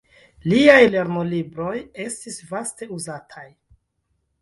Liaj lernolibroj estis vaste uzataj.